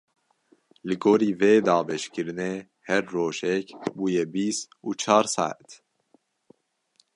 Li gorî vê dabeşkirinê, her rojek bûye bîst û çar saet.